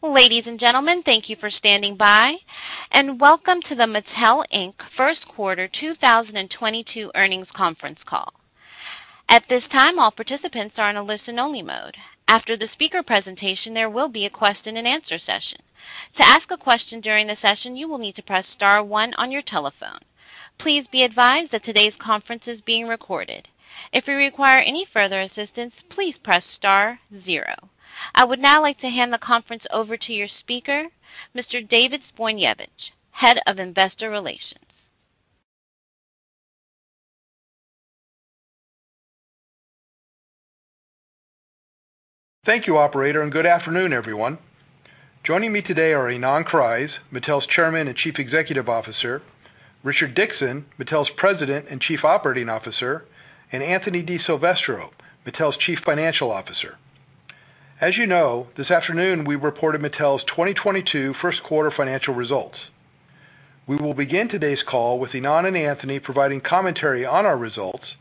Ladies and gentlemen, thank you for standing by, and welcome to the Mattel, Inc. First Quarter 2022 earnings conference call. At this time, all participants are in a listen-only mode. After the speaker presentation, there will be a question and answer session. To ask a question during the session, you will need to press star one on your telephone. Please be advised that today's conference is being recorded. If you require any further assistance, please press star zero. I would now like to hand the conference over to your speaker, Mr. David Zbojniewicz, Head of Investor Relations. Thank you, operator, and good afternoon, everyone. Joining me today are Ynon Kreiz, Mattel's Chairman and Chief Executive Officer, Richard Dickson, Mattel's President and Chief Operating Officer, and Anthony DiSilvestro, Mattel's Chief Financial Officer. As you know, this afternoon we reported Mattel's 2022 first quarter financial results. We will begin today's call with Ynon and Anthony providing commentary on our results,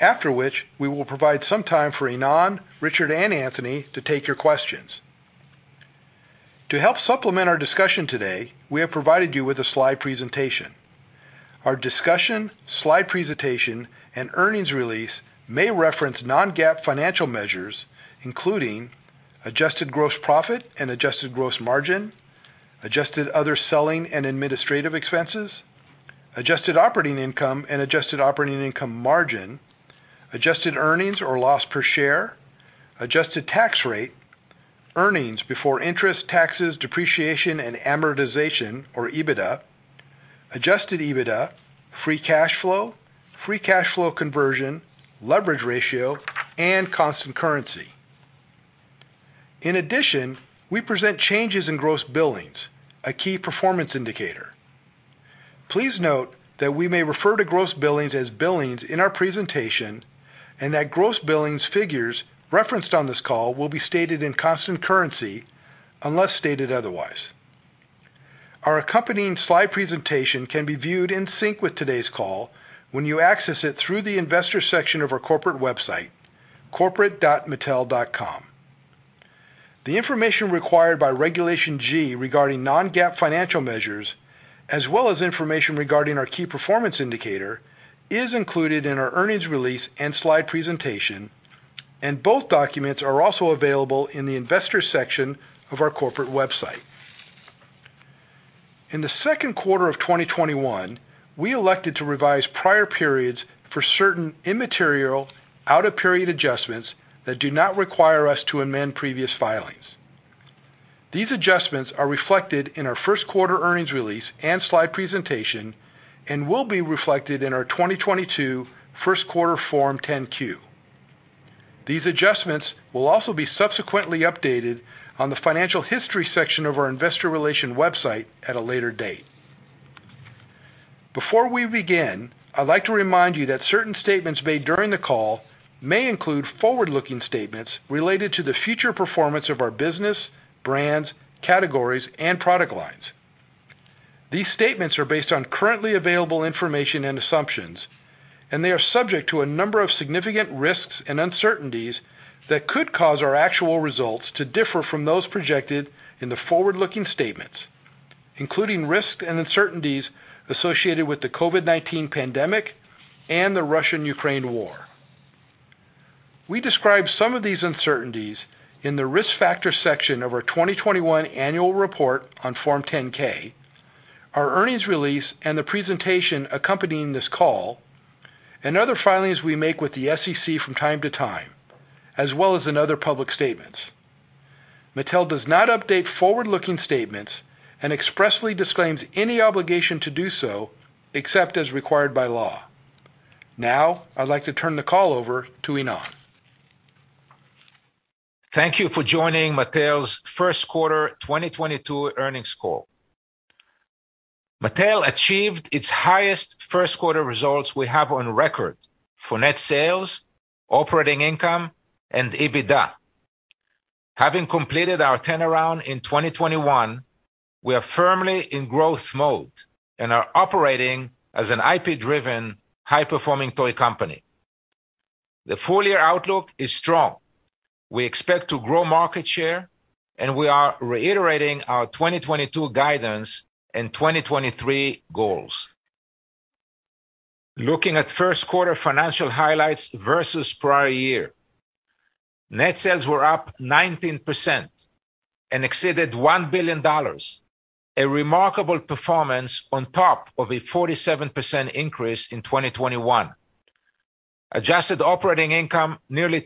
after which we will provide some time for Ynon, Richard, and Anthony to take your questions. To help supplement our discussion today, we have provided you with a slide presentation. Our discussion, slide presentation, and earnings release may reference non-GAAP financial measures, including adjusted gross profit and adjusted gross margin, adjusted other selling and administrative expenses, adjusted operating income and adjusted operating income margin, adjusted earnings or loss per share, adjusted tax rate, earnings before interest, taxes, depreciation, and amortization, or EBITDA, adjusted EBITDA, free cash flow, free cash flow conversion, leverage ratio, and constant currency. In addition, we present changes in gross billings, a key performance indicator. Please note that we may refer to gross billings as billings in our presentation and that gross billings figures referenced on this call will be stated in constant currency unless stated otherwise. Our accompanying slide presentation can be viewed in sync with today's call when you access it through the investor section of our corporate website, corporate dot mattel dot com. The information required by Regulation G regarding non-GAAP financial measures, as well as information regarding our key performance indicator, is included in our earnings release and slide presentation, and both documents are also available in the investors section of our corporate website. In the second quarter of 2021, we elected to revise prior periods for certain immaterial out of period adjustments that do not require us to amend previous filings. These adjustments are reflected in our first quarter earnings release and slide presentation and will be reflected in our 2022 first quarter Form 10-Q. These adjustments will also be subsequently updated on the financial history section of our investor relation website at a later date. Before we begin, I'd like to remind you that certain statements made during the call may include forward-looking statements related to the future performance of our business, brands, categories, and product lines. These statements are based on currently available information and assumptions, and they are subject to a number of significant risks and uncertainties that could cause our actual results to differ from those projected in the forward-looking statements, including risks and uncertainties associated with the COVID-19 pandemic and the Russia-Ukraine war. We describe some of these uncertainties in the Risk Factors section of our 2021 Annual Report on Form 10-K, our earnings release and the presentation accompanying this call, and other filings we make with the SEC from time to time, as well as in other public statements. Mattel does not update forward-looking statements and expressly disclaims any obligation to do so, except as required by law. Now, I'd like to turn the call over to Ynon. Thank you for joining Mattel's first quarter 2022 earnings call. Mattel achieved its highest first quarter results we have on record for net sales, operating income, and EBITDA. Having completed our turnaround in 2021, we are firmly in growth mode and are operating as an IP driven, high performing toy company. The full year outlook is strong. We expect to grow market share and we are reiterating our 2022 guidance and 2023 goals. Looking at first quarter financial highlights versus prior year, net sales were up 19% and exceeded $1 billion, a remarkable performance on top of a 47% increase in 2021. Adjusted operating income nearly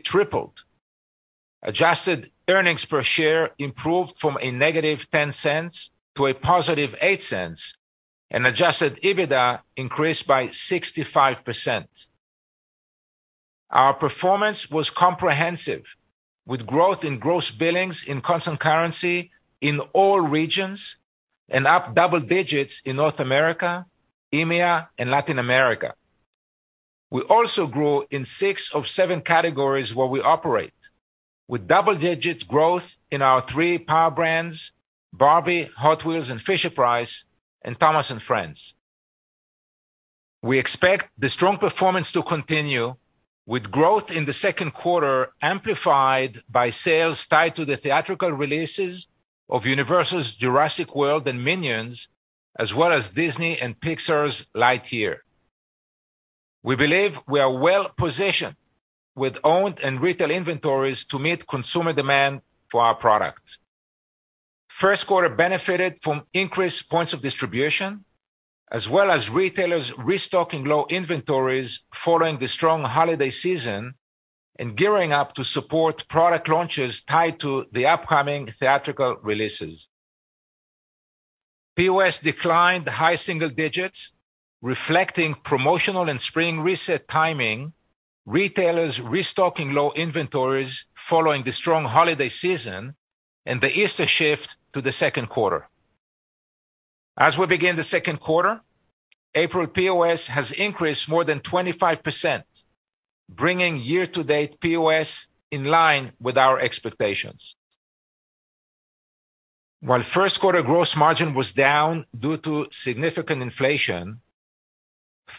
tripled. Adjusted earnings per share improved from a negative $0.10 to a positive $0.08. Adjusted EBITDA increased by 65%. Our performance was comprehensive with growth in gross billings in constant currency in all regions and up double-digit in North America, EMEA and Latin America. We also grew in six of seven categories where we operate with double-digit growth in our three power brands, Barbie, Hot Wheels and Fisher-Price and Thomas & Friends. We expect the strong performance to continue with growth in the second quarter amplified by sales tied to the theatrical releases of Universal's Jurassic World and Minions, as well as Disney and Pixar's Lightyear. We believe we are well-positioned with owned and retail inventories to meet consumer demand for our products. First quarter benefited from increased points of distribution as well as retailers restocking low inventories following the strong holiday season and gearing up to support product launches tied to the upcoming theatrical releases. POS declined high single digits, reflecting promotional and spring reset timing, retailers restocking low inventories following the strong holiday season, and the Easter shift to the second quarter. As we begin the second quarter, April POS has increased more than 25%, bringing year-to-date POS in line with our expectations. While first quarter gross margin was down due to significant inflation,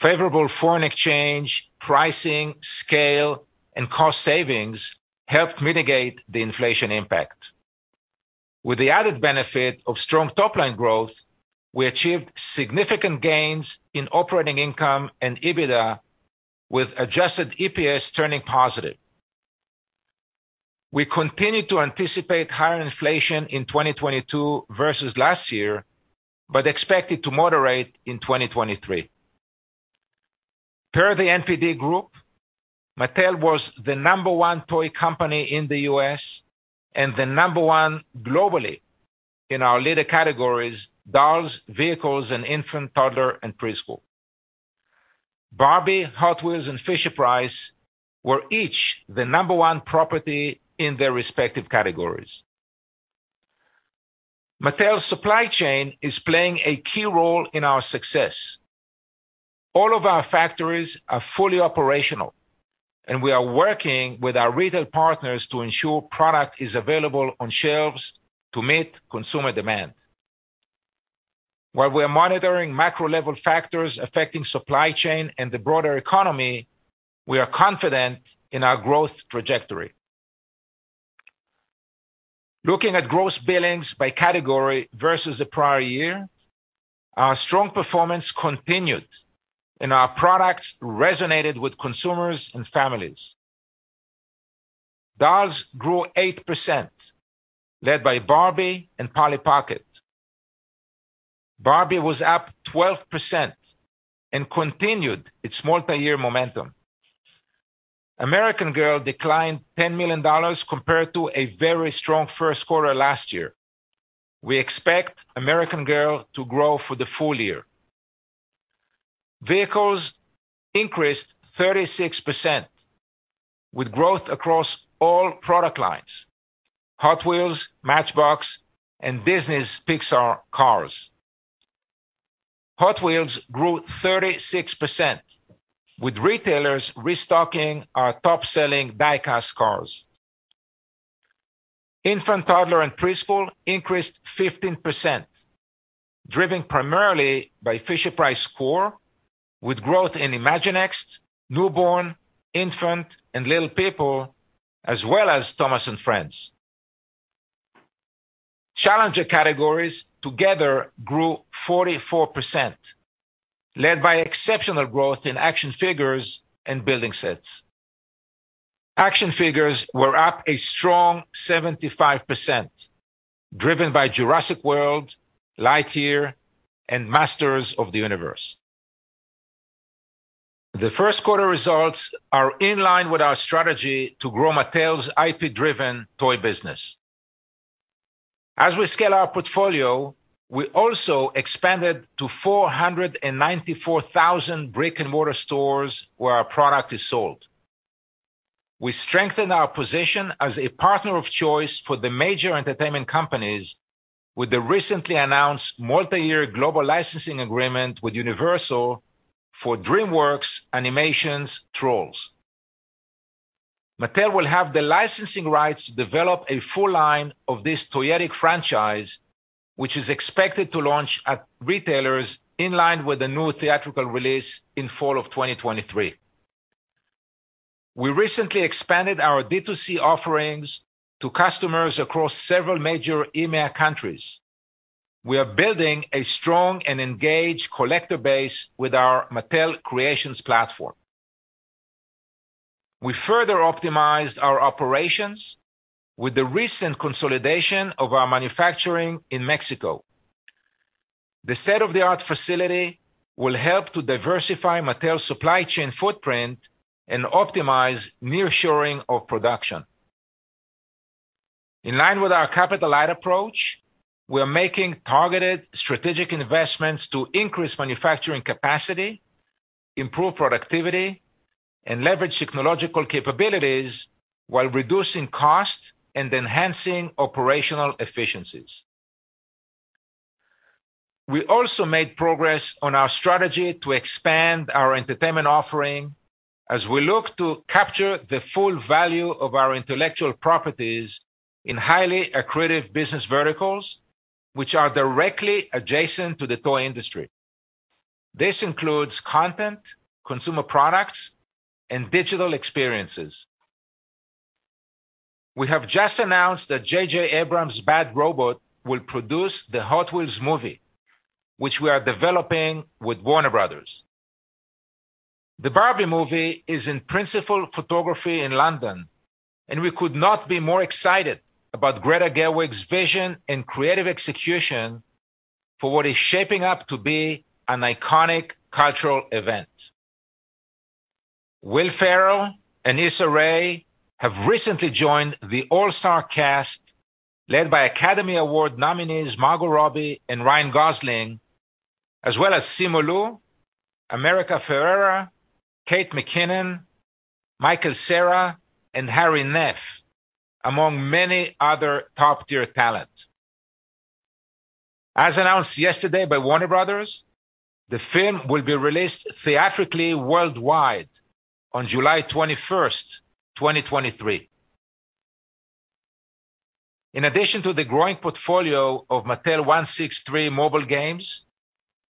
favorable foreign exchange, pricing, scale, and cost savings helped mitigate the inflation impact. With the added benefit of strong top line growth, we achieved significant gains in operating income and EBITDA, with adjusted EPS turning positive. We continue to anticipate higher inflation in 2022 versus last year, but expect it to moderate in 2023. Per The NPD Group, Mattel was the number one toy company in the U.S. and the number one globally in our leading categories, dolls, vehicles, and infant, toddler, and preschool. Barbie, Hot Wheels, and Fisher-Price were each the number-one property in their respective categories. Mattel's supply chain is playing a key role in our success. All of our factories are fully operational, and we are working with our retail partners to ensure product is available on shelves to meet consumer demand. While we are monitoring macro-level factors affecting supply chain and the broader economy, we are confident in our growth trajectory. Looking at gross billings by category versus the prior year, our strong performance continued and our products resonated with consumers and families. Dolls grew 8%, led by Barbie and Polly Pocket. Barbie was up 12% and continued its multiyear momentum. American Girl declined $10 million compared to a very strong first quarter last year. We expect American Girl to grow for the full year. Vehicles increased 36% with growth across all product lines, Hot Wheels, Matchbox, and Disney Pixar Cars. Hot Wheels grew 36% with retailers restocking our top-selling die-cast cars. Infant, toddler, and preschool increased 15%, driven primarily by Fisher-Price core with growth in Imaginext, newborn, infant, and Little People, as well as Thomas & Friends. Challenger categories together grew 44%, led by exceptional growth in action figures and building sets. Action figures were up a strong 75%, driven by Jurassic World, Lightyear, and Masters of the Universe. The first quarter results are in line with our strategy to grow Mattel's IP-driven toy business. As we scale our portfolio, we also expanded to 494,000 brick-and-mortar stores where our product is sold. We strengthen our position as a partner of choice for the major entertainment companies with the recently announced multiyear global licensing agreement with Universal for DreamWorks Animation's Trolls. Mattel will have the licensing rights to develop a full line of this toyetic franchise, which is expected to launch at retailers in line with the new theatrical release in fall of 2023. We recently expanded our D2C offerings to customers across several major EMEA countries. We are building a strong and engaged collector base with our Mattel Creations platform. We further optimized our operations with the recent consolidation of our manufacturing in Mexico. The state-of-the-art facility will help to diversify Mattel's supply chain footprint and optimize nearshoring of production. In line with our capital light approach, we are making targeted strategic investments to increase manufacturing capacity, improve productivity, and leverage technological capabilities while reducing costs and enhancing operational efficiencies. We also made progress on our strategy to expand our entertainment offering as we look to capture the full value of our intellectual properties in highly accretive business verticals which are directly adjacent to the toy industry. This includes content, consumer products and digital experiences. We have just announced that J.J. Abrams' Bad Robot will produce the Hot Wheels movie, which we are developing with Warner Bros. The Barbie movie is in principal photography in London and we could not be more excited about Greta Gerwig's vision and creative execution for what is shaping up to be an iconic cultural event. Will Ferrell and Issa Rae have recently joined the all-star cast led by Academy Award nominees Margot Robbie and Ryan Gosling, as well as Simu Liu, America Ferrera, Kate McKinnon, Michael Cera and Hari Nef, among many other top-tier talent. As announced yesterday by Warner Bros., the film will be released theatrically worldwide on July 21, 2023. In addition to the growing portfolio of Mattel163 mobile games,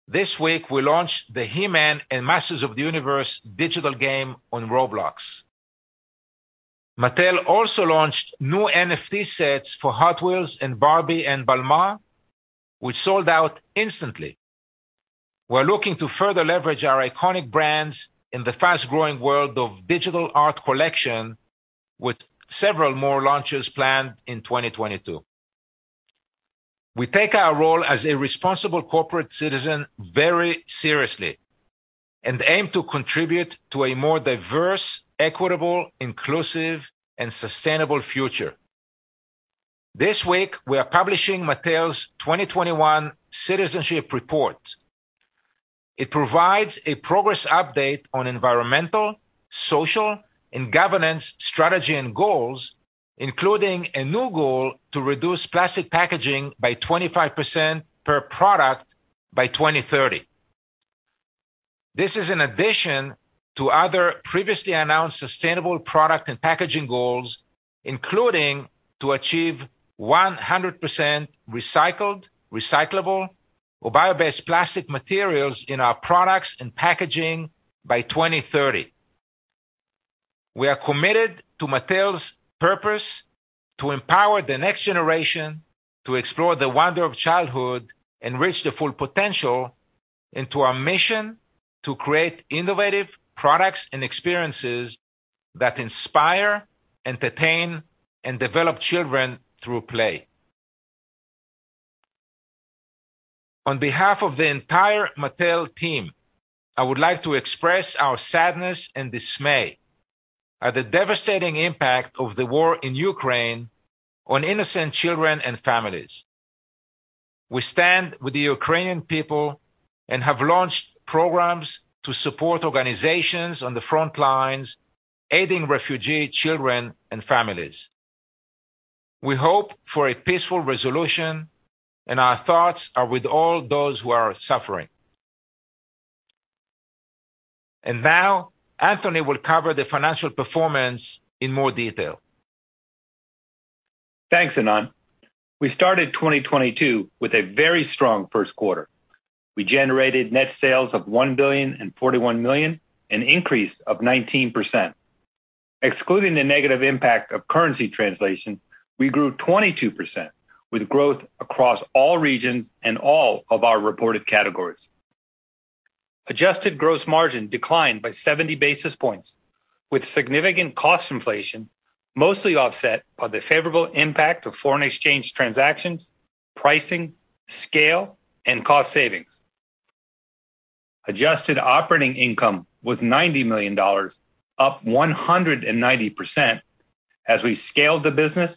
this week we launched the He-Man and Masters of the Universe digital game on Roblox. Mattel also launched new NFT sets for Hot Wheels and Barbie and Balmain, which sold out instantly. We're looking to further leverage our iconic brands in the fast-growing world of digital art collection with several more launches planned in 2022. We take our role as a responsible corporate citizen very seriously and aim to contribute to a more diverse, equitable, inclusive and sustainable future. This week we are publishing Mattel's 2021 citizenship report. It provides a progress update on environmental, social and governance strategy and goals, including a new goal to reduce plastic packaging by 25% per product by 2030. This is in addition to other previously announced sustainable product and packaging goals, including to achieve 100% recycled, recyclable or bio-based plastic materials in our products and packaging by 2030. We are committed to Mattel's purpose to empower the next generation to explore the wonder of childhood and reach their full potential and to our mission to create innovative products and experiences that inspire, entertain and develop children through play. On behalf of the entire Mattel team, I would like to express our sadness and dismay at the devastating impact of the war in Ukraine on innocent children and families. We stand with the Ukrainian people and have launched programs to support organizations on the front lines, aiding refugee children and families. We hope for a peaceful resolution and our thoughts are with all those who are suffering. Now Anthony will cover the financial performance in more detail. Thanks, Ynon. We started 2022 with a very strong first quarter. We generated net sales of $1.041 billion, an increase of 19%. Excluding the negative impact of currency translation, we grew 22% with growth across all regions and all of our reported categories. Adjusted gross margin declined by 70 basis points, with significant cost inflation mostly offset by the favorable impact of foreign exchange transactions, pricing, scale and cost savings. Adjusted operating income was $90 million, up 190% as we scaled the business,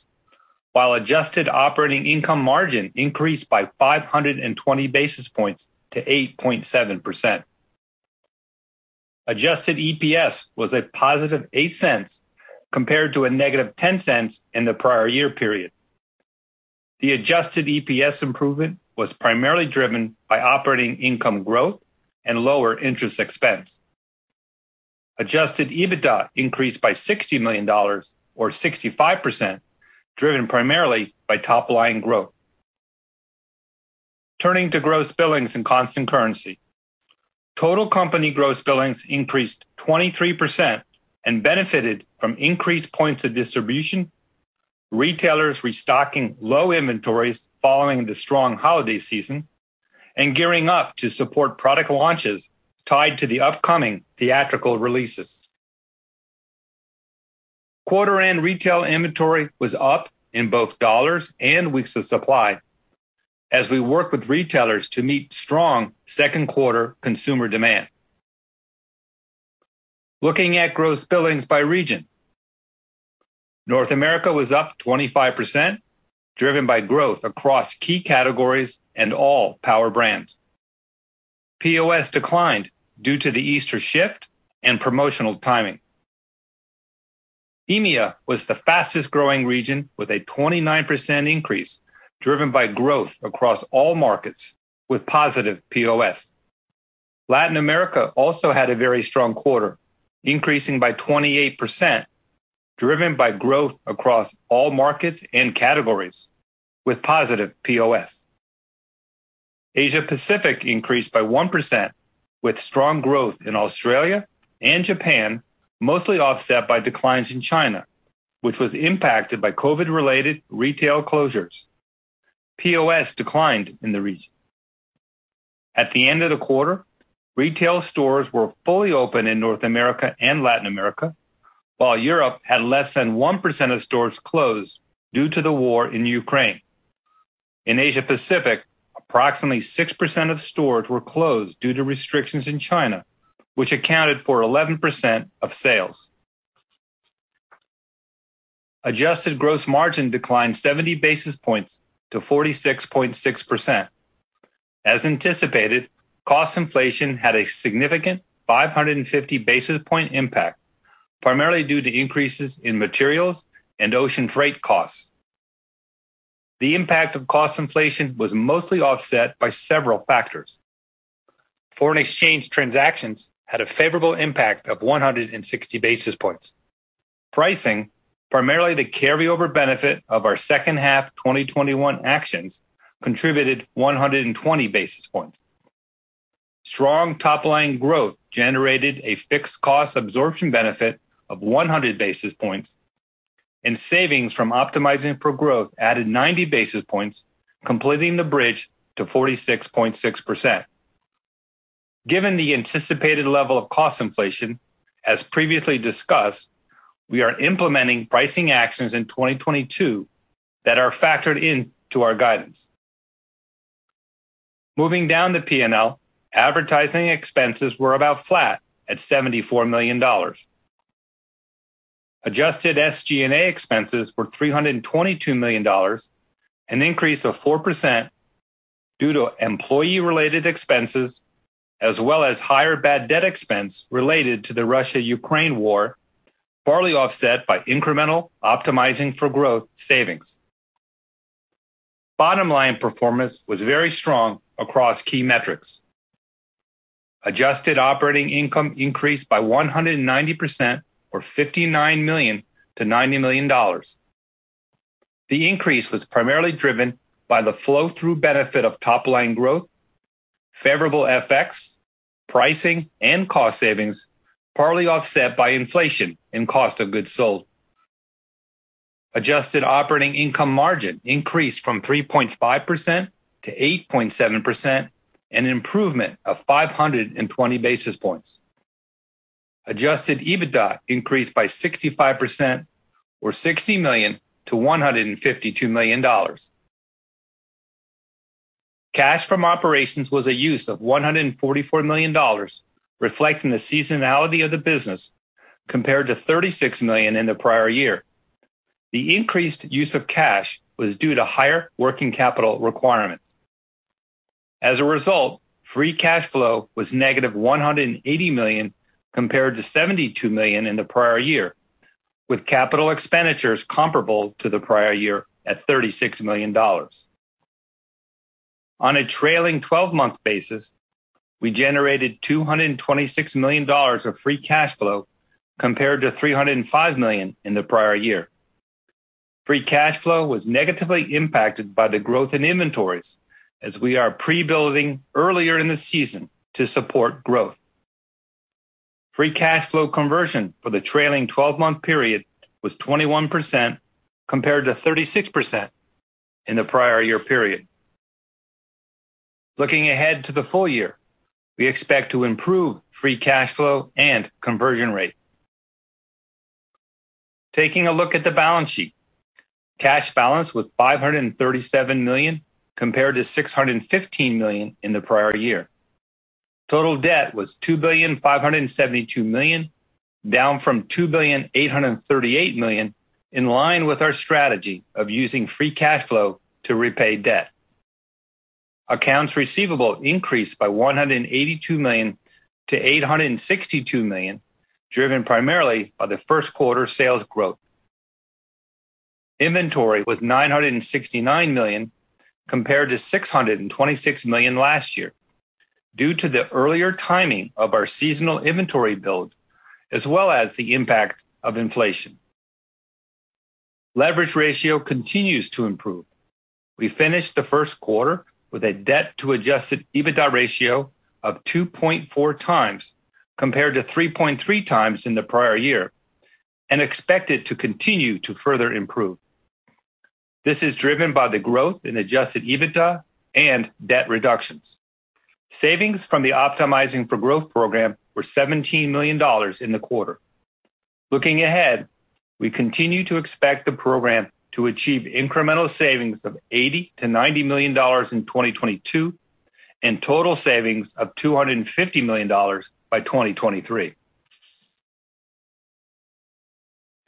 while adjusted operating income margin increased by 520 basis points to 8.7%. Adjusted EPS was +$0.08 compared to -$0.10 in the prior year period. The adjusted EPS improvement was primarily driven by operating income growth and lower interest expense. Adjusted EBITDA increased by $60 million or 65%, driven primarily by top line growth. Turning to gross billings in constant currency. Total company gross billings increased 23% and benefited from increased points of distribution, retailers restocking low inventories following the strong holiday season and gearing up to support product launches tied to the upcoming theatrical releases. Quarter end retail inventory was up in both dollars and weeks of supply as we work with retailers to meet strong second quarter consumer demand. Looking at gross billings by region. North America was up 25%, driven by growth across key categories and all power brands. POS declined due to the Easter shift and promotional timing. EMEA was the fastest growing region with a 29% increase, driven by growth across all markets with positive POS. Latin America also had a very strong quarter, increasing by 28%, driven by growth across all markets and categories with positive POS. Asia Pacific increased by 1% with strong growth in Australia and Japan, mostly offset by declines in China, which was impacted by COVID-related retail closures. POS declined in the region. At the end of the quarter, retail stores were fully open in North America and Latin America, while Europe had less than 1% of stores closed due to the war in Ukraine. In Asia Pacific, approximately 6% of stores were closed due to restrictions in China, which accounted for 11% of sales. Adjusted gross margin declined 70 basis points to 46.6%. As anticipated, cost inflation had a significant 550 basis point impact, primarily due to increases in materials and ocean freight costs. The impact of cost inflation was mostly offset by several factors. Foreign exchange transactions had a favorable impact of 160 basis points. Pricing, primarily the carryover benefit of our second half 2021 actions, contributed 120 basis points. Strong top-line growth generated a fixed cost absorption benefit of 100 basis points and savings from Optimizing for Growth added 90 basis points, completing the bridge to 46.6%. Given the anticipated level of cost inflation as previously discussed, we are implementing pricing actions in 2022 that are factored into our guidance. Moving down the P&L, advertising expenses were about flat at $74 million. Adjusted SG&A expenses were $322 million, an increase of 4% due to employee related expenses as well as higher bad debt expense related to the Russia-Ukraine war, partly offset by incremental Optimizing for Growth savings. Bottom line performance was very strong across key metrics. Adjusted operating income increased by 190%, or $59 million to $90 million. The increase was primarily driven by the flow through benefit of top line growth, favorable FX, pricing, and cost savings, partly offset by inflation and cost of goods sold. Adjusted operating income margin increased from 3.5% to 8.7%, an improvement of 520 basis points. Adjusted EBITDA increased by 65% or $60 million to $152 million. Cash from operations was a use of $144 million, reflecting the seasonality of the business compared to $36 million in the prior year. The increased use of cash was due to higher working capital requirements. As a result, free cash flow was negative $180 million compared to $72 million in the prior year, with capital expenditures comparable to the prior year at $36 million. On a trailing twelve-month basis, we generated $226 million of free cash flow compared to $305 million in the prior year. Free cash flow was negatively impacted by the growth in inventories as we are pre-building earlier in the season to support growth. Free cash flow conversion for the trailing 12-month period was 21%, compared to 36% in the prior year period. Looking ahead to the full year, we expect to improve free cash flow and conversion rate. Taking a look at the balance sheet. Cash balance was $537 million, compared to $615 million in the prior year. Total debt was $2.572 billion, down from $2.838 billion, in line with our strategy of using free cash flow to repay debt. Accounts receivable increased by $182 million-$862 million, driven primarily by the first quarter sales growth. Inventory was $969 million, compared to $626 million last year, due to the earlier timing of our seasonal inventory build, as well as the impact of inflation. Leverage ratio continues to improve. We finished the first quarter with a debt to adjusted EBITDA ratio of 2.4x, compared to 3.3x. In the prior year, and expect it to continue to further improve. This is driven by the growth in adjusted EBITDA and debt reductions. Savings from the Optimizing for Growth program were $17 million in the quarter. Looking ahead, we continue to expect the program to achieve incremental savings of $80 million-$90 million in 2022, and total savings of $250 million by 2023.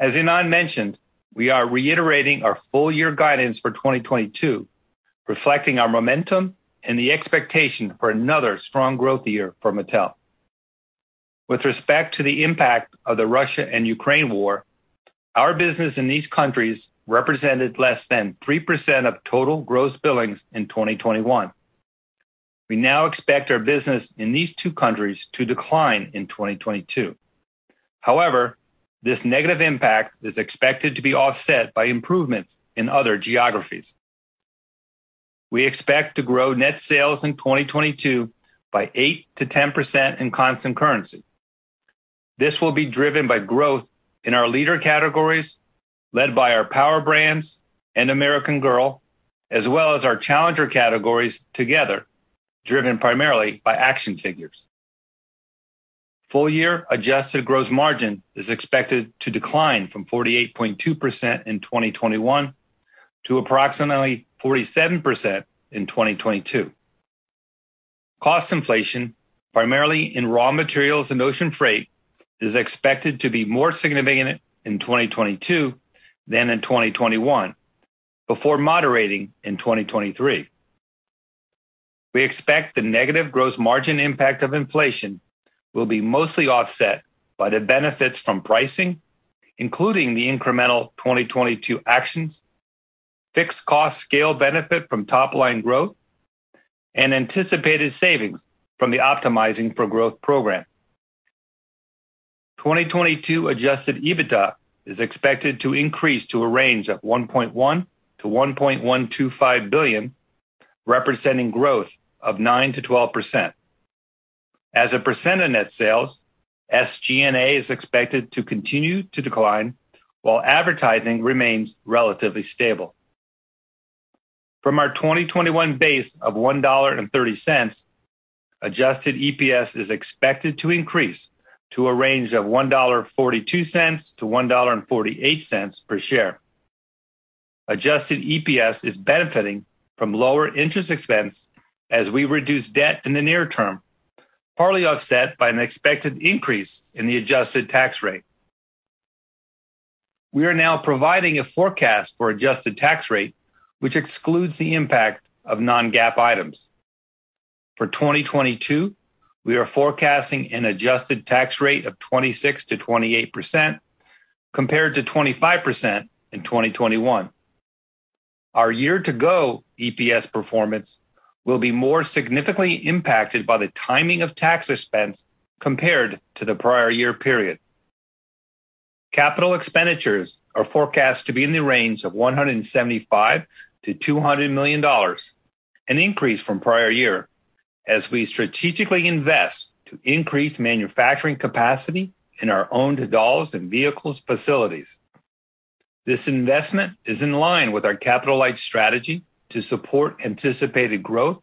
As Ynon mentioned, we are reiterating our full-year guidance for 2022, reflecting our momentum and the expectation for another strong growth year for Mattel. With respect to the impact of the Russia and Ukraine war, our business in these countries represented less than 3% of total gross billings in 2021. We now expect our business in these two countries to decline in 2022. However, this negative impact is expected to be offset by improvements in other geographies. We expect to grow net sales in 2022 by 8%-10% in constant currency. This will be driven by growth in our leader categories, led by our Power Brands and American Girl, as well as our challenger categories together, driven primarily by action figures. Full year adjusted gross margin is expected to decline from 48.2% in 2021 to approximately 47% in 2022. Cost inflation, primarily in raw materials and ocean freight, is expected to be more significant in 2022 than in 2021, before moderating in 2023. We expect the negative gross margin impact of inflation will be mostly offset by the benefits from pricing, including the incremental 2022 actions, fixed cost scale benefit from top line growth, and anticipated savings from the Optimizing for Growth program. 2022 adjusted EBITDA is expected to increase to a range of $1.1 billion-$1.125 billion, representing growth of 9%-12%. As a percent of net sales, SG&A is expected to continue to decline while advertising remains relatively stable. From our 2021 base of $1.30, adjusted EPS is expected to increase to a range of $1.42-$1.48 per share. Adjusted EPS is benefiting from lower interest expense as we reduce debt in the near term, partly offset by an expected increase in the adjusted tax rate. We are now providing a forecast for adjusted tax rate, which excludes the impact of non-GAAP items. For 2022, we are forecasting an adjusted tax rate of 26%-28% compared to 25% in 2021. Our year to go EPS performance will be more significantly impacted by the timing of tax expense compared to the prior year period. Capital expenditures are forecast to be in the range of $175 million-$200 million, an increase from prior year as we strategically invest to increase manufacturing capacity in our owned dolls and vehicles facilities. This investment is in line with our capital-light strategy to support anticipated growth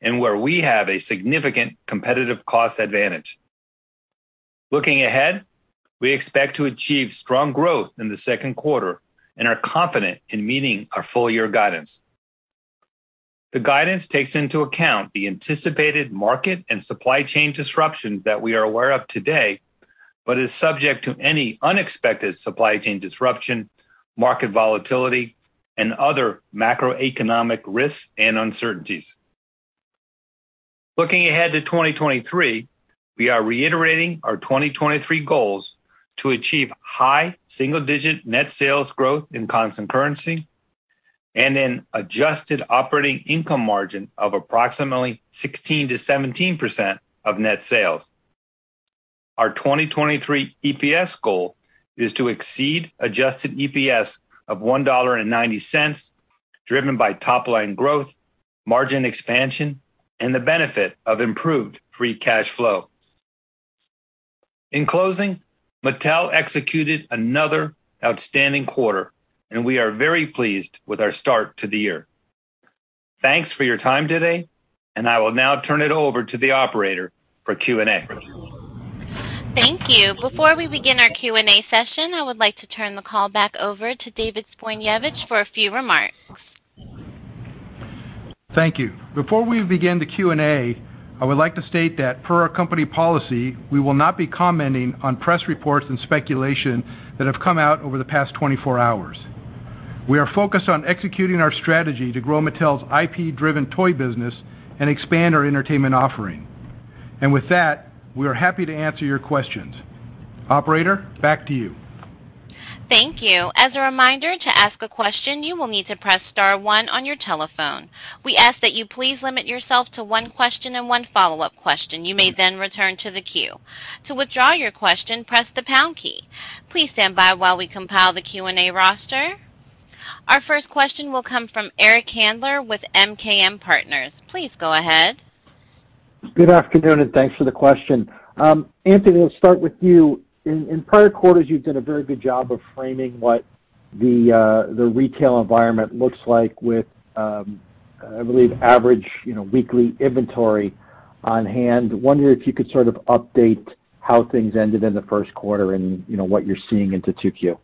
and where we have a significant competitive cost advantage. Looking ahead, we expect to achieve strong growth in the second quarter and are confident in meeting our full year guidance. The guidance takes into account the anticipated market and supply chain disruptions that we are aware of today, but is subject to any unexpected supply chain disruption, market volatility, and other macroeconomic risks and uncertainties. Looking ahead to 2023, we are reiterating our 2023 goals to achieve high single-digit net sales growth in constant currency and an adjusted operating income margin of approximately 16%-17% of net sales. Our 2023 EPS goal is to exceed adjusted EPS of $1.90, driven by top line growth, margin expansion, and the benefit of improved free cash flow. In closing, Mattel executed another outstanding quarter, and we are very pleased with our start to the year. Thanks for your time today, and I will now turn it over to the operator for Q&A. Thank you. Before we begin our Q&A session, I would like to turn the call back over to David Zbojniewicz for a few remarks. Thank you. Before we begin the Q&A, I would like to state that per our company policy, we will not be commenting on press reports and speculation that have come out over the past 24 hours. We are focused on executing our strategy to grow Mattel's IP-driven toy business and expand our entertainment offering. With that, we are happy to answer your questions. Operator, back to you. Thank you. As a reminder, to ask a question, you will need to press star one on your telephone. We ask that you please limit yourself to one question and one follow-up question. You may then return to the queue. To withdraw your question, press the pound key. Please stand by while we compile the Q&A roster. Our first question will come from Eric Handler with MKM Partners. Please go ahead. Good afternoon, and thanks for the question. Anthony, we'll start with you. In prior quarters, you've done a very good job of framing what the retail environment looks like with I believe average, you know, weekly inventory on hand. Wondering if you could sort of update how things ended in the first quarter and, you know, what you're seeing into 2Q.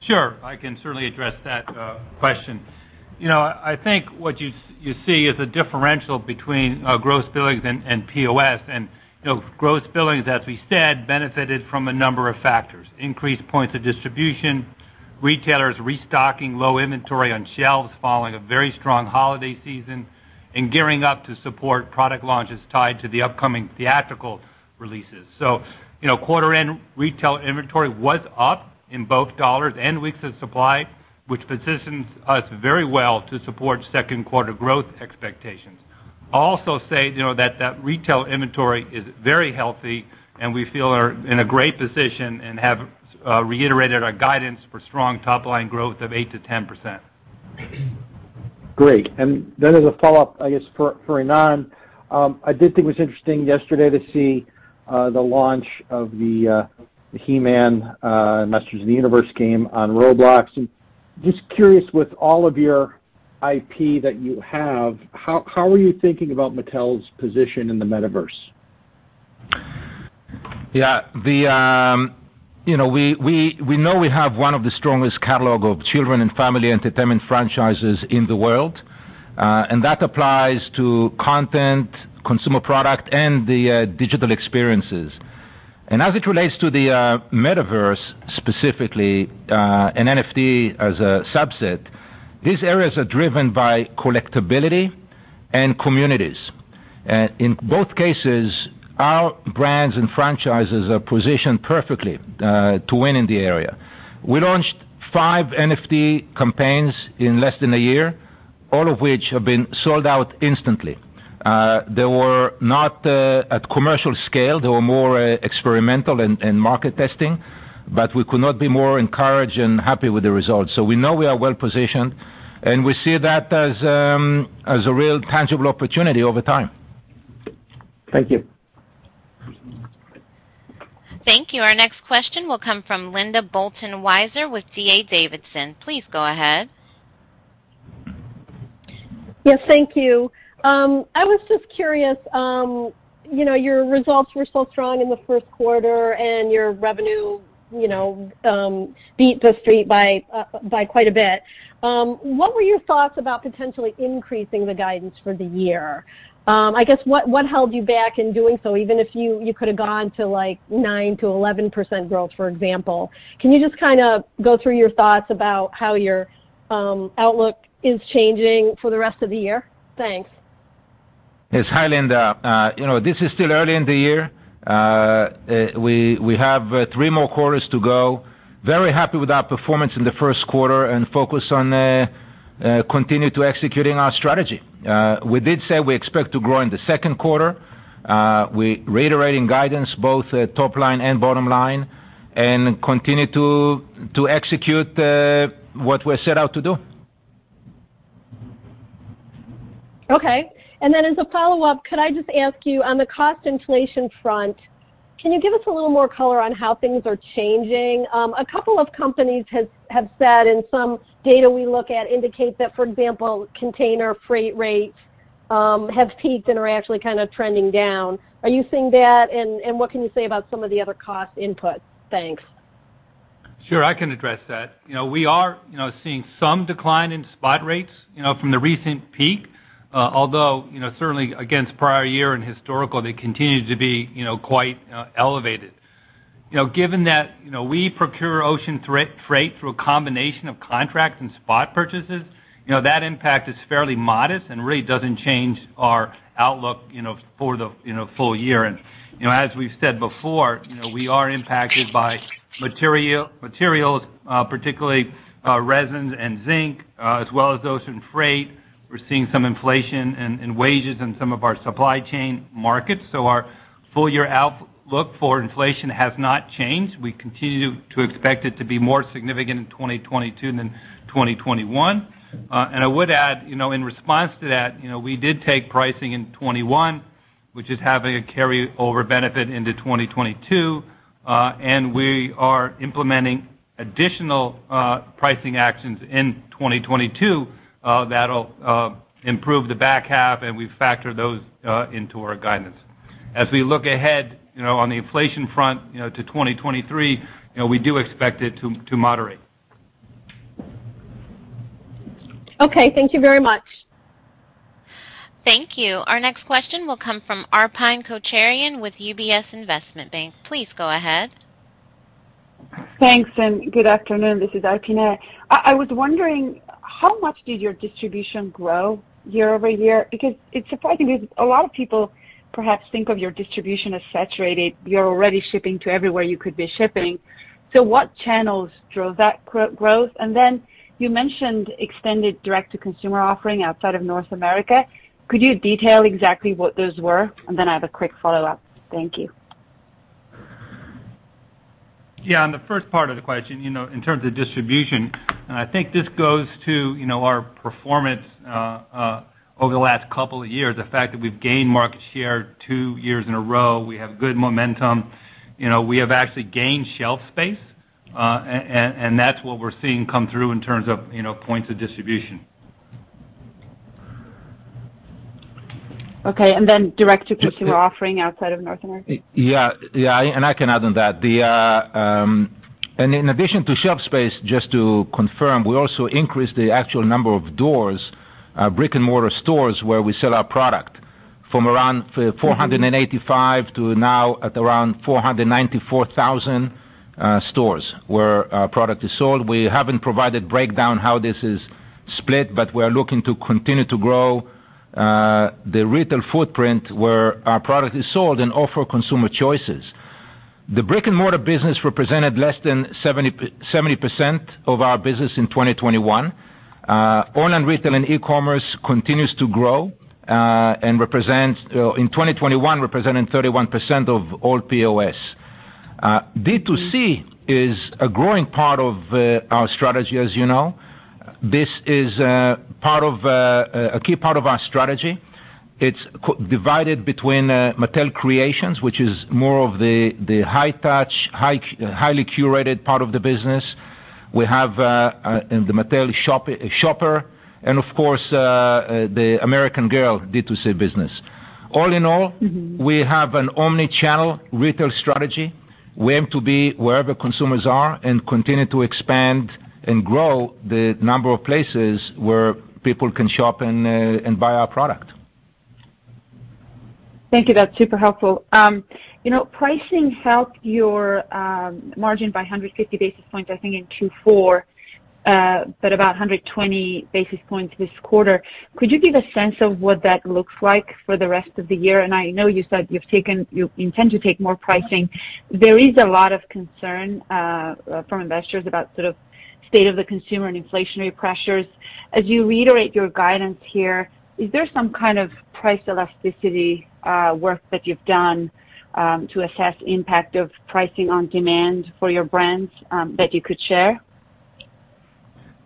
Sure. I can certainly address that question. You know, I think what you see is a differential between gross billings and POS. You know, gross billings, as we said, benefited from a number of factors, increased points of distribution. Retailers restocking low inventory on shelves following a very strong holiday season and gearing up to support product launches tied to the upcoming theatrical releases. You know, quarter end retail inventory was up in both dollars and weeks of supply, which positions us very well to support second quarter growth expectations. I'll also say, you know, that retail inventory is very healthy, and we feel we are in a great position and have reiterated our guidance for strong top-line growth of 8%-10%. Great. Then as a follow-up, I guess for Ynon. I did think it was interesting yesterday to see the launch of the He-Man Masters of the Universe game on Roblox. Just curious with all of your IP that you have, how are you thinking about Mattel's position in the metaverse? Yeah. You know we know we have one of the strongest catalogs of children and family entertainment franchises in the world. That applies to content, consumer products, and the digital experiences. As it relates to the metaverse specifically, and NFT as a subset, these areas are driven by collectability and communities. In both cases, our brands and franchises are positioned perfectly to win in the area. We launched five NFT campaigns in less than a year, all of which have been sold out instantly. They were not at commercial scale, they were more experimental and market testing, but we could not be more encouraged and happy with the results. We know we are well-positioned, and we see that as a real tangible opportunity over time. Thank you. Thank you. Our next question will come from Linda Bolton Weiser with D.A. Davidson. Please go ahead. Yes, thank you. I was just curious, you know, your results were so strong in the first quarter and your revenue, you know, beat the street by quite a bit. What were your thoughts about potentially increasing the guidance for the year? I guess what held you back in doing so, even if you could have gone to like 9%-11% growth, for example? Can you just kind of go through your thoughts about how your outlook is changing for the rest of the year? Thanks. Yes, hi Linda. You know, this is still early in the year. We have three more quarters to go. Very happy with our performance in the first quarter and focused on continuing to execute our strategy. We did say we expect to grow in the second quarter. We're reiterating guidance, both top line and bottom line, and continuing to execute what we're set out to do. Okay. As a follow-up, could I just ask you on the cost inflation front, can you give us a little more color on how things are changing? A couple of companies have said, and some data we look at indicate that, for example, container freight rates have peaked and are actually kind of trending down. Are you seeing that? What can you say about some of the other cost inputs? Thanks. Sure, I can address that. You know, we are, you know, seeing some decline in spot rates, you know, from the recent peak, although, you know, certainly against prior year and historical, they continue to be, you know, quite, elevated. You know, given that, you know, we procure ocean freight through a combination of contracts and spot purchases, you know, that impact is fairly modest and really doesn't change our outlook, you know, for the full year. You know, as we've said before, you know, we are impacted by materials, particularly, resins and zinc, as well as ocean freight. We're seeing some inflation in wages in some of our supply chain markets. Our full year outlook for inflation has not changed. We continue to expect it to be more significant in 2022 than 2021. I would add, you know, in response to that, you know, we did take pricing in 2021, which is having a carry over benefit into 2022. We are implementing additional pricing actions in 2022, that'll improve the back half, and we factor those into our guidance. As we look ahead, you know, on the inflation front, you know, to 2023, you know, we do expect it to moderate. Okay, thank you very much. Thank you. Our next question will come from Arpine Kocharyan with UBS Investment Bank. Please go ahead. Thanks, good afternoon. This is Arpine. I was wondering how much did your distribution grow year-over-year? Because it's surprising because a lot of people perhaps think of your distribution as saturated. You're already shipping to everywhere you could be shipping. What channels drove that growth? You mentioned extended direct to consumer offering outside of North America. Could you detail exactly what those were? I have a quick follow-up. Thank you. Yeah. On the first part of the question, you know, in terms of distribution, and I think this goes to, you know, our performance over the last couple of years, the fact that we've gained market share two years in a row, we have good momentum. You know, we have actually gained shelf space, and that's what we're seeing come through in terms of, you know, points of distribution. Okay. Direct to consumer offering outside of North America. Yeah. Yeah, I can add on that. In addition to shelf space, just to confirm, we also increased the actual number of doors, brick and mortar stores where we sell our product. From around 485 to now at around 494,000 stores where our product is sold. We haven't provided breakdown how this is split, but we are looking to continue to grow the retail footprint where our product is sold and offer consumer choices. The brick-and-mortar business represented less than 70% of our business in 2021. Online retail and e-commerce continues to grow and represents in 2021, representing 31% of all POS. D2C is a growing part of our strategy, as you know. This is part of a key part of our strategy. It's divided between Mattel Creations, which is more of the high touch, highly curated part of the business. We have the Mattel Shop and of course, the American Girl D2C business. All in all, we have an omni-channel retail strategy. We aim to be wherever consumers are and continue to expand and grow the number of places where people can shop and buy our product. Thank you. That's super helpful. You know, pricing helped your margin by 150 basis points, I think, in Q4, but about 120 basis points this quarter. Could you give a sense of what that looks like for the rest of the year? I know you said you intend to take more pricing. There is a lot of concern from investors about sort of state of the consumer and inflationary pressures. As you reiterate your guidance here, is there some kind of price elasticity work that you've done to assess impact of pricing on demand for your brands that you could share?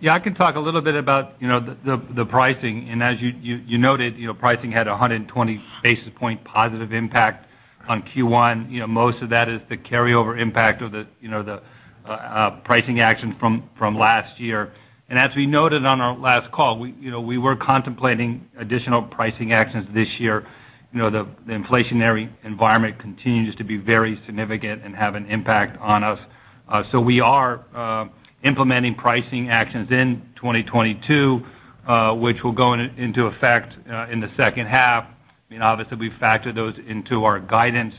Yeah, I can talk a little bit about, you know, the pricing. As you noted, you know, pricing had a 120 basis point positive impact on Q1. You know, most of that is the carryover impact of the, you know, pricing action from last year. As we noted on our last call, you know, we were contemplating additional pricing actions this year. You know, the inflationary environment continues to be very significant and have an impact on us. We are implementing pricing actions in 2022, which will go into effect in the second half. I mean, obviously, we factor those into our guidance,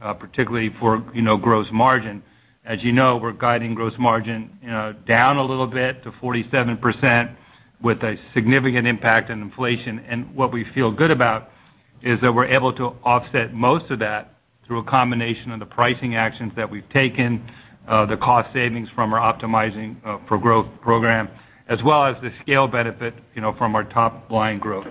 particularly for, you know, gross margin. As you know, we're guiding gross margin, you know, down a little bit to 47% with a significant impact on inflation. What we feel good about is that we're able to offset most of that through a combination of the pricing actions that we've taken, the cost savings from our Optimizing for Growth program, as well as the scale benefit, you know, from our top-line growth.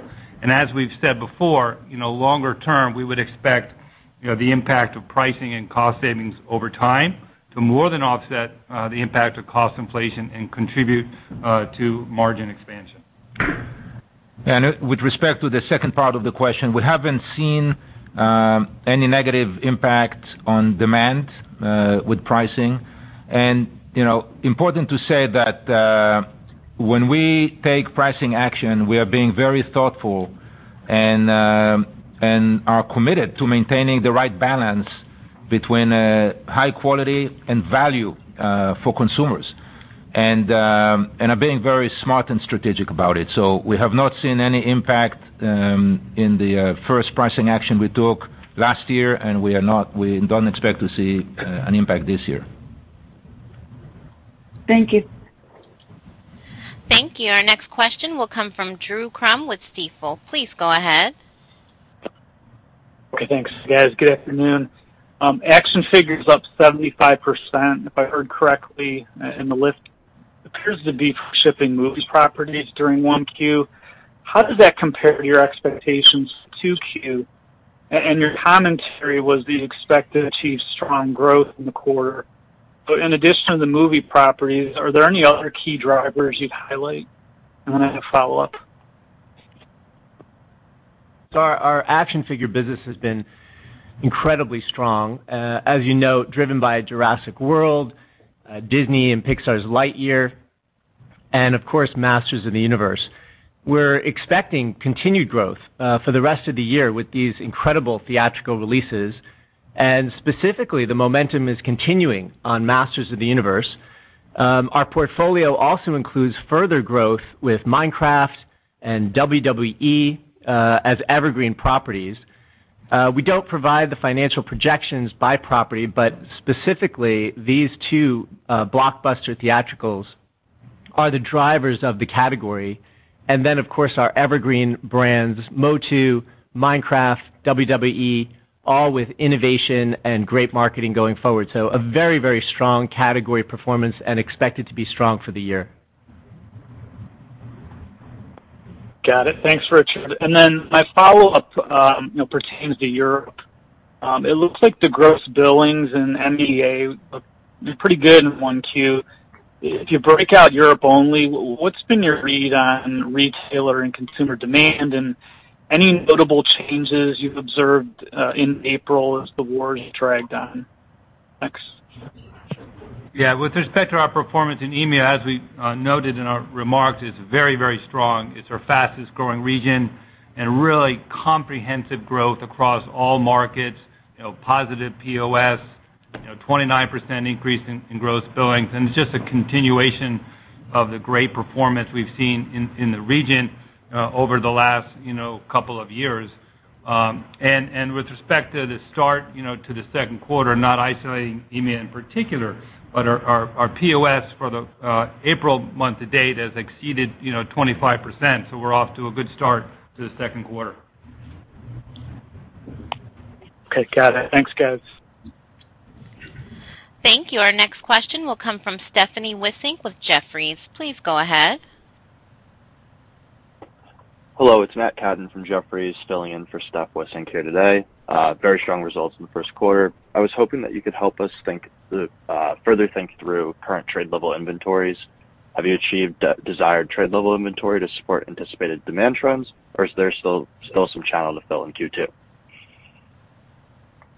As we've said before, you know, longer term, we would expect, you know, the impact of pricing and cost savings over time to more than offset the impact of cost inflation and contribute to margin expansion. With respect to the second part of the question, we haven't seen any negative impact on demand with pricing. You know, important to say that when we take pricing action, we are being very thoughtful and are committed to maintaining the right balance between high quality and value for consumers, and are being very smart and strategic about it. We have not seen any impact in the first pricing action we took last year, and we don't expect to see an impact this year. Thank you. Thank you. Our next question will come from Drew Crum with Stifel. Please go ahead. Okay, thanks, guys. Good afternoon. Action figure is up 75%, if I heard correctly, in the list. Appears to be shipping movie properties during 1Q. How does that compare to your expectations for 2Q? Your commentary was that you expected to achieve strong growth in the quarter. In addition to the movie properties, are there any other key drivers you'd highlight? Then I have follow-up. Our action figure business has been incredibly strong, as you know, driven by Jurassic World, Disney and Pixar's Lightyear, and of course, Masters of the Universe. We're expecting continued growth for the rest of the year with these incredible theatrical releases, and specifically, the momentum is continuing on Masters of the Universe. Our portfolio also includes further growth with Minecraft and WWE, as evergreen properties. We don't provide the financial projections by property, but specifically these two blockbuster theatricals are the drivers of the category. Of course, our evergreen brands, MOTU, Minecraft, WWE, all with innovation and great marketing going forward. A very, very strong category performance and expected to be strong for the year. Got it. Thanks, Richard. My follow-up pertains to Europe. It looks like the gross billings in EMEA were pretty good in 1Q. If you break out Europe only, what's been your read on retailer and consumer demand? Any notable changes you've observed in April as the war dragged on? Thanks. Yeah. With respect to our performance in EMEA, as we noted in our remarks, it's very, very strong. It's our fastest-growing region and really comprehensive growth across all markets, you know, positive POS. A 29% increase in gross billings, and it's just a continuation of the great performance we've seen in the region over the last, you know, couple of years. With respect to the start, you know, to the second quarter, not isolating EMEA in particular, but our POS for the April month to date has exceeded, you know, 25%, so we're off to a good start to the second quarter. Okay. Got it. Thanks, guys. Thank you. Our next question will come from Stephanie Wissink with Jefferies. Please go ahead. Hello, it's Matt Katten from Jefferies, filling in for Steph Wissink here today. Very strong results in the first quarter. I was hoping that you could help us further think through current trade level inventories. Have you achieved the desired trade level inventory to support anticipated demand trends, or is there still some channel to fill in Q2?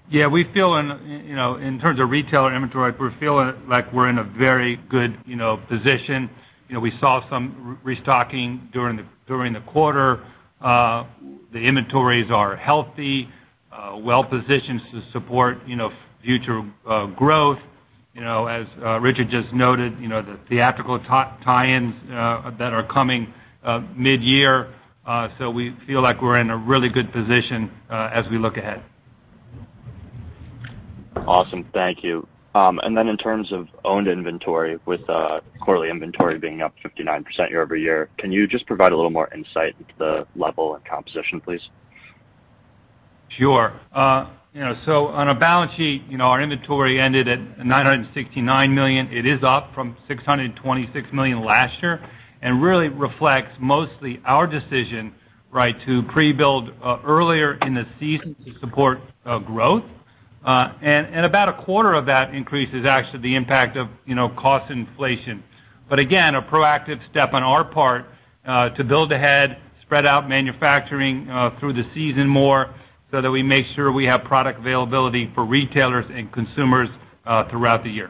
Yeah, we feel, you know, in terms of retailer inventory, we're feeling like we're in a very good, you know, position. You know, we saw some restocking during the quarter. The inventories are healthy, well-positioned to support, you know, future growth. You know, as Richard just noted, you know, the theatrical tie-ins that are coming midyear. We feel like we're in a really good position as we look ahead. Awesome. Thank you. In terms of owned inventory with quarterly inventory being up 59% year-over-year, can you just provide a little more insight into the level and composition, please? Sure. You know, so on a balance sheet, you know, our inventory ended at $969 million. It is up from $626 million last year and really reflects mostly our decision, right, to pre-build earlier in the season to support growth. And about a quarter of that increase is actually the impact of, you know, cost inflation. Again, a proactive step on our part to build ahead, spread out manufacturing through the season more so that we make sure we have product availability for retailers and consumers throughout the year.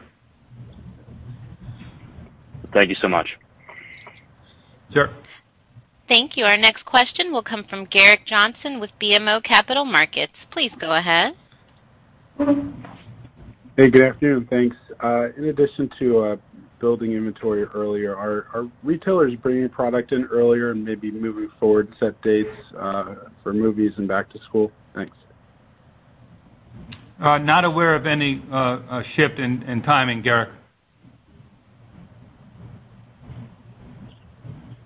Thank you so much. Sure. Thank you. Our next question will come from Gerrick Johnson with BMO Capital Markets. Please go ahead. Hey, good afternoon. Thanks. In addition to building inventory earlier, are retailers bringing product in earlier and maybe moving forward set dates for movies and back to school? Thanks. Not aware of any shift in timing, Gerrick.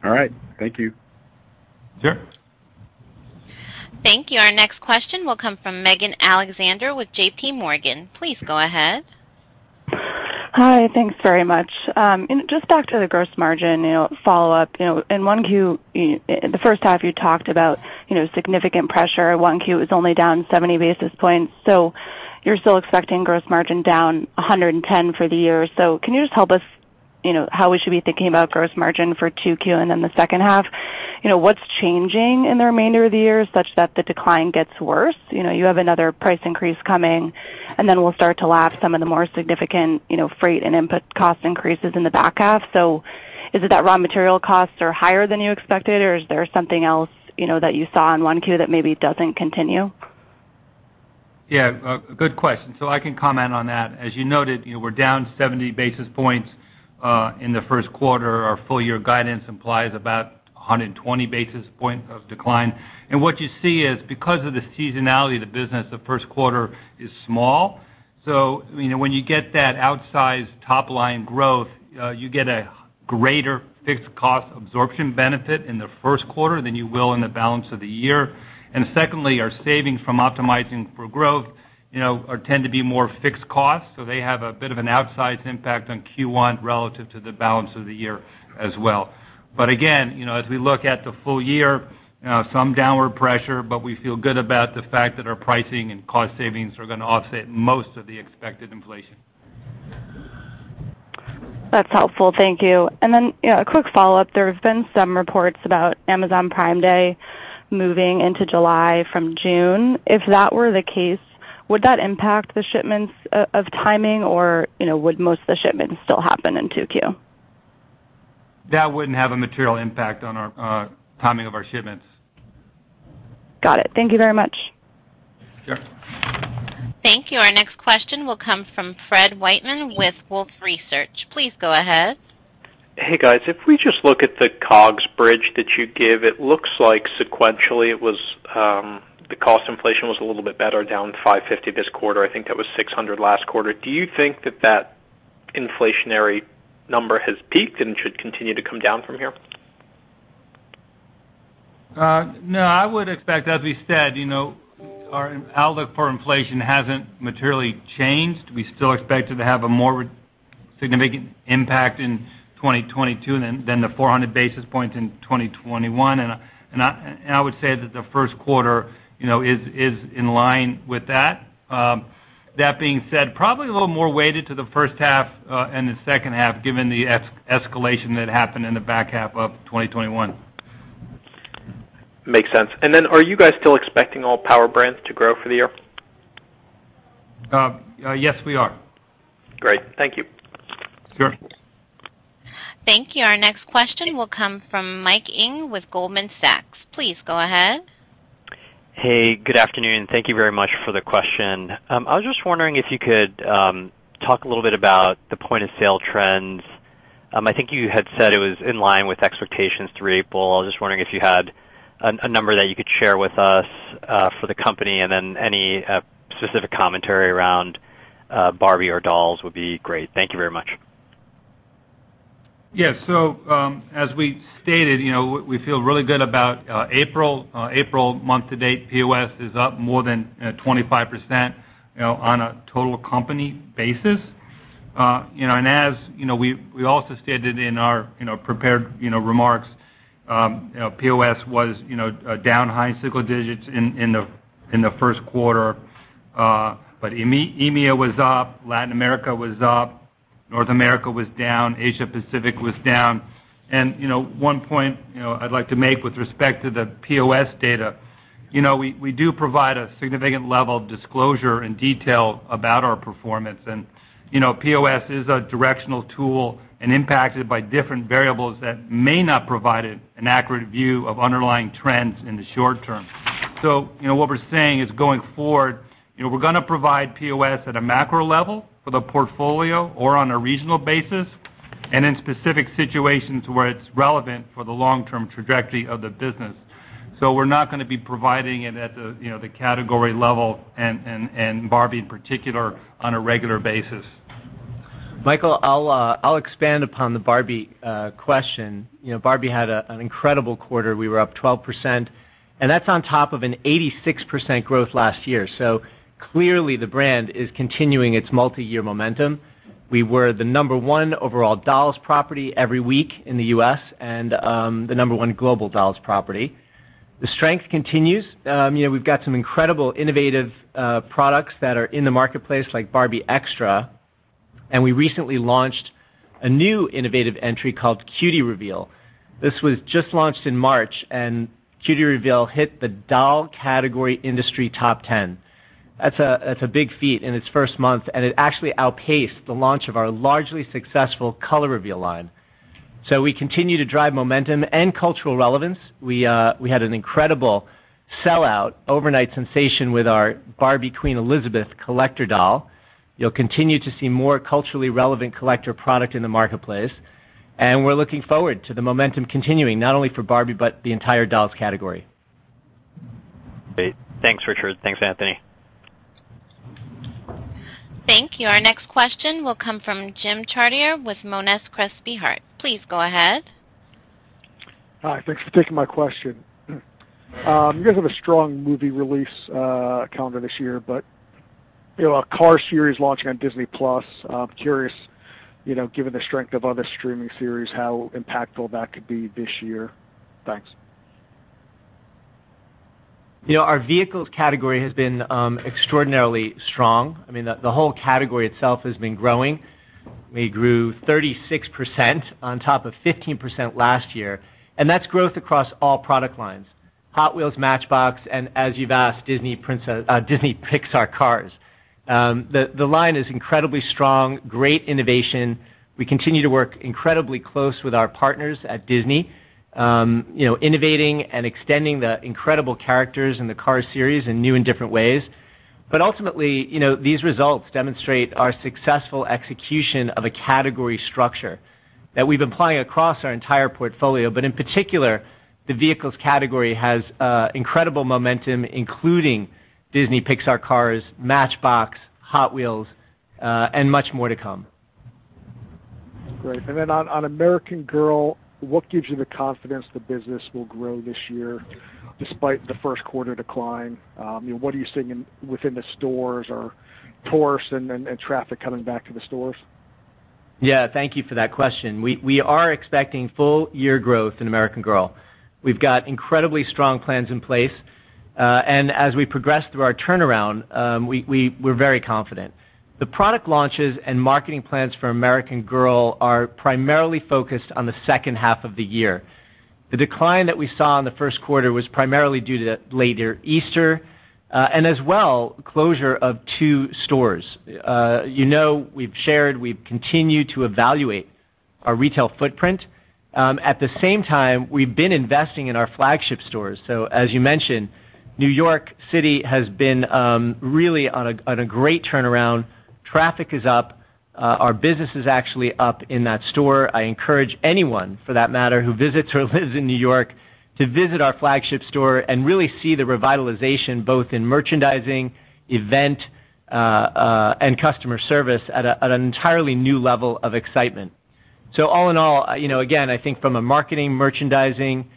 All right. Thank you. Sure. Thank you. Our next question will come from Megan Alexander with JPMorgan. Please go ahead. Hi. Thanks very much. Just back to the gross margin, you know, follow-up. You know, in 1Q, the first half you talked about, you know, significant pressure. 1Q is only down 70 basis points. You're still expecting gross margin down 110 for the year. Can you just help us, you know, how we should be thinking about gross margin for 2Q and then the second half? You know, what's changing in the remainder of the year such that the decline gets worse? You know, you have another price increase coming, and then we'll start to lap some of the more significant, you know, freight and input cost increases in the back half. Is it that raw material costs are higher than you expected, or is there something else, you know, that you saw in 1Q that maybe doesn't continue? Yeah. A good question. I can comment on that. As you noted, you know, we're down 70 basis points in the first quarter. Our full year guidance implies about 120 basis points of decline. What you see is because of the seasonality of the business, the first quarter is small. You know, when you get that outsized top line growth, you get a greater fixed cost absorption benefit in the first quarter than you will in the balance of the year. Secondly, our savings from Optimizing for Growth, you know, tend to be more fixed costs, so they have a bit of an outsized impact on Q1 relative to the balance of the year as well. Again, you know, as we look at the full year, you know, some downward pressure, but we feel good about the fact that our pricing and cost savings are gonna offset most of the expected inflation. That's helpful. Thank you. You know, a quick follow-up. There have been some reports about Amazon Prime Day moving into July from June. If that were the case, would that impact the shipments of timing or, you know, would most of the shipments still happen in 2Q? That wouldn't have a material impact on our timing of our shipments. Got it. Thank you very much. Sure. Thank you. Our next question will come from Fred Wightman with Wolfe Research. Please go ahead. Hey, guys. If we just look at the COGS bridge that you give, it looks like sequentially it was the cost inflation was a little bit better down $550 this quarter. I think that was $600 last quarter. Do you think that inflationary number has peaked and should continue to come down from here? No, I would expect, as we said, you know, our outlook for inflation hasn't materially changed. We still expect it to have a more significant impact in 2022 than the 400 basis points in 2021. I would say that the first quarter, you know, is in line with that. That being said, probably a little more weighted to the first half and the second half given the escalation that happened in the back half of 2021. Makes sense. Are you guys still expecting all power brands to grow for the year? Yes, we are. Great. Thank you. Sure. Thank you. Our next question will come from Mike Ng with Goldman Sachs. Please go ahead. Hey, good afternoon. Thank you very much for the question. I was just wondering if you could talk a little bit about the point of sale trends. I think you had said it was in line with expectations through April. I was just wondering if you had a number that you could share with us for the company, and then any specific commentary around Barbie or dolls would be great. Thank you very much. Yeah. As we stated, you know, we feel really good about April. April month to date POS is up more than 25%, you know, on a total company basis. You know, and as you know, we also stated in our prepared remarks, you know, POS was down high single digits in the first quarter. But EMEA was up, Latin America was up, North America was down, Asia Pacific was down. One point I'd like to make with respect to the POS data, you know, we do provide a significant level of disclosure and detail about our performance. You know, POS is a directional tool and impacted by different variables that may not provide an accurate view of underlying trends in the short term. You know, what we're saying is, going forward, you know, we're gonna provide POS at a macro level for the portfolio or on a regional basis and in specific situations where it's relevant for the long-term trajectory of the business. We're not gonna be providing it at the, you know, the category level and Barbie in particular on a regular basis. Michael, I'll expand upon the Barbie question. You know, Barbie had an incredible quarter. We were up 12%, and that's on top of an 86% growth last year. Clearly the brand is continuing its multiyear momentum. We were the number one overall dolls property every week in the U.S. and the number one global dolls property. The strength continues. You know, we've got some incredible innovative products that are in the marketplace like Barbie Extra. We recently launched a new innovative entry called Cutie Reveal. This was just launched in March, and Cutie Reveal hit the doll category industry top 10. That's a big feat in its first month, and it actually outpaced the launch of our largely successful Color Reveal line. We continue to drive momentum and cultural relevance. We had an incredible sellout overnight sensation with our Barbie Queen Elizabeth collector doll. You'll continue to see more culturally relevant collector product in the marketplace, and we're looking forward to the momentum continuing, not only for Barbie, but the entire dolls category. Great. Thanks, Richard. Thanks, Anthony. Thank you. Our next question will come from Jim Chartier with Monness, Crespi, Hardt. Please go ahead. Hi. Thanks for taking my question. You guys have a strong movie release calendar this year, but you know, a Cars series launching on Disney Plus. Curious, you know, given the strength of other streaming series, how impactful that could be this year. Thanks. You know, our vehicles category has been extraordinarily strong. I mean, the whole category itself has been growing. We grew 36% on top of 15% last year, and that's growth across all product lines, Hot Wheels, Matchbox and, as you've asked, Disney Pixar Cars. The line is incredibly strong, great innovation. We continue to work incredibly close with our partners at Disney, you know, innovating and extending the incredible characters in the Cars series in new and different ways. Ultimately, you know, these results demonstrate our successful execution of a category structure that we've been applying across our entire portfolio. In particular, the vehicles category has incredible momentum, including Disney Pixar Cars, Matchbox, Hot Wheels, and much more to come. Great. On American Girl, what gives you the confidence the business will grow this year despite the first quarter decline? You know, what are you seeing within the stores or tourists and traffic coming back to the stores? Yeah. Thank you for that question. We are expecting full year growth in American Girl. We've got incredibly strong plans in place. As we progress through our turnaround, we're very confident. The product launches and marketing plans for American Girl are primarily focused on the second half of the year. The decline that we saw in the first quarter was primarily due to later Easter, and as well closure of two stores. You know, we've shared, we've continued to evaluate our retail footprint. At the same time, we've been investing in our flagship stores. As you mentioned, New York City has been really on a great turnaround. Traffic is up. Our business is actually up in that store. I encourage anyone, for that matter, who visits or lives in New York to visit our flagship store and really see the revitalization, both in merchandising, event, and customer service at an entirely new level of excitement. All in all, you know, again, I think from a marketing, merchandising,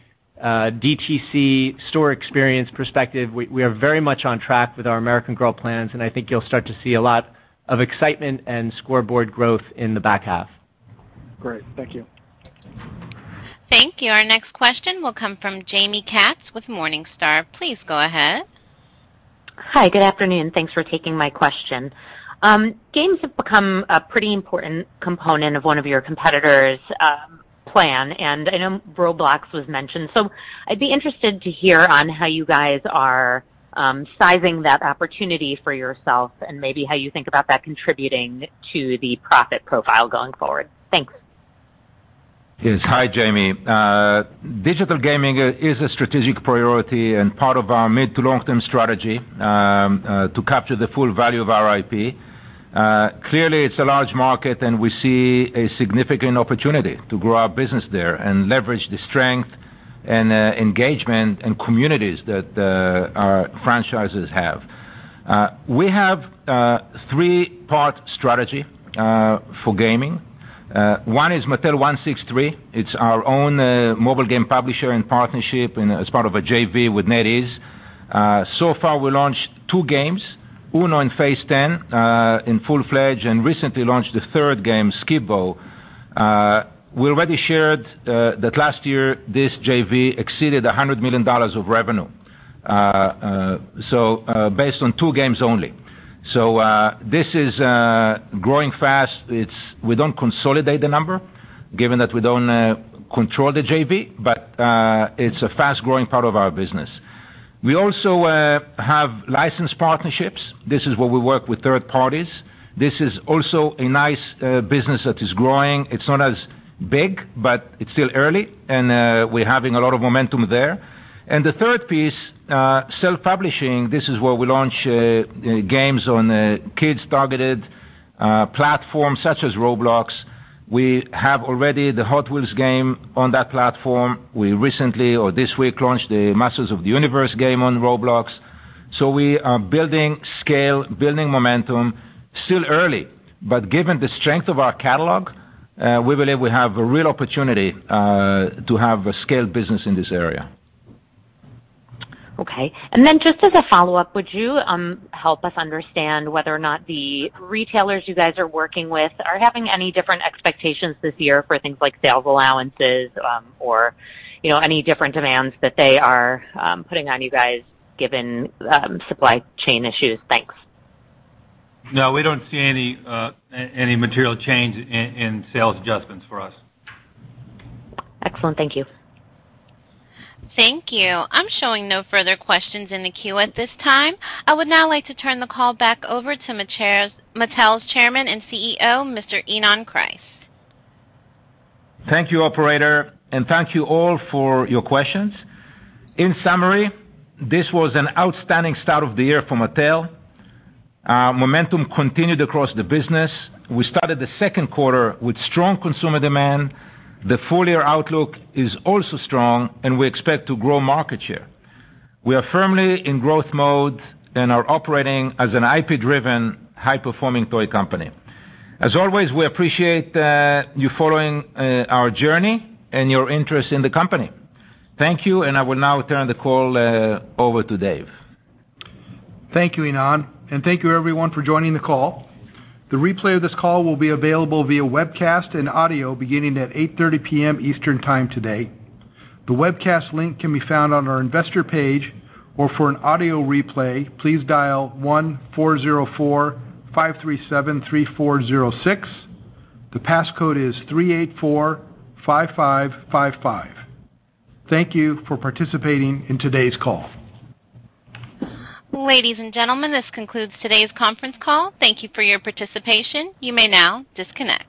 DTC store experience perspective, we are very much on track with our American Girl plans, and I think you'll start to see a lot of excitement and scoreboard growth in the back half. Great. Thank you. Thank you. Our next question will come from Jaime Katz with Morningstar. Please go ahead. Hi. Good afternoon. Thanks for taking my question. Games have become a pretty important component of one of your competitors' plan, and I know Roblox was mentioned, so I'd be interested to hear on how you guys are sizing that opportunity for yourself and maybe how you think about that contributing to the profit profile going forward. Thanks. Yes. Hi, Jaime. Digital gaming is a strategic priority and part of our mid to long-term strategy, to capture the full value of our IP. Clearly, it's a large market, and we see a significant opportunity to grow our business there and leverage the strength and engagement and communities that our franchises have. We have three-part strategy for gaming. One is Mattel163. It's our own mobile game publisher and partnership, and as part of a JV with NetEase. So far, we launched two games, UNO and Phase 10, in full-fledged, and recently launched the third game, Skip-Bo. We already shared that last year, this JV exceeded $100 million of revenue, so, based on two games only. This is growing fast. We don't consolidate the number given that we don't control the JV, but it's a fast-growing part of our business. We also have licensed partnerships. This is where we work with third parties. This is also a nice business that is growing. It's not as big, but it's still early, and we're having a lot of momentum there. The third piece, self-publishing, this is where we launch games on kids targeted platforms such as Roblox. We have already the Hot Wheels game on that platform. We recently or this week launched the Masters of the Universe game on Roblox. We are building scale, building momentum. Still early, but given the strength of our catalog, we believe we have a real opportunity to have a scaled business in this area. Okay. Just as a follow-up, would you help us understand whether or not the retailers you guys are working with are having any different expectations this year for things like sales allowances, or, you know, any different demands that they are putting on you guys given supply chain issues? Thanks. No, we don't see any material change in sales adjustments for us. Excellent. Thank you. Thank you. I'm showing no further questions in the queue at this time. I would now like to turn the call back over to Mattel's Chairman and CEO, Mr. Ynon Kreiz. Thank you, operator, and thank you all for your questions. In summary, this was an outstanding start of the year for Mattel. Momentum continued across the business. We started the second quarter with strong consumer demand. The full-year outlook is also strong, and we expect to grow market share. We are firmly in growth mode and are operating as an IP-driven, high-performing toy company. As always, we appreciate you following our journey and your interest in the company. Thank you, and I will now turn the call over to Dave. Thank you, Ynon, and thank you everyone for joining the call. The replay of this call will be available via webcast and audio beginning at 8:30 P.M. Eastern Time today. The webcast link can be found on our investor page, or for an audio replay, please dial 1-404-537-3406. The passcode is 384555. Thank you for participating in today's call. Ladies and gentlemen, this concludes today's conference call. Thank you for your participation. You may now disconnect.